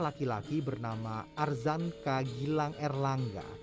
laki laki bernama arzanka gilang erlangga